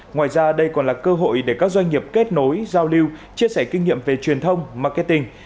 ngoài ra đây còn là cơ hội để các doanh nghiệp kết nối giao lưu chia sẻ kinh nghiệm về truyền thông marketing